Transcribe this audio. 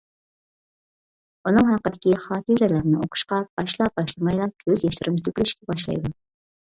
ئۇنىڭ ھەققىدىكى خاتىرىلەرنى ئوقۇشقا باشلا-باشلىمايلا كۆز ياشلىرىم تۆكۈلۈشكە باشلايدۇ.